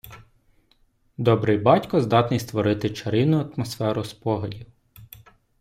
Добрий батько здатний створити чарівну атмосферу спогадів.